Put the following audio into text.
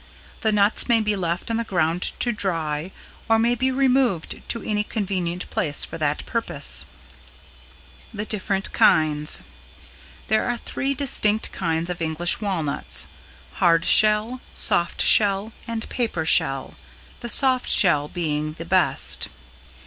The nuts may be left on the ground to dry or may be removed to any convenient place for that purpose. [Sidenote: =The Different Kinds=] There are three distinct kinds of English Walnuts hard shell, soft shell and paper shell, the soft shell being the best.